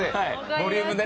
ボリュームでね。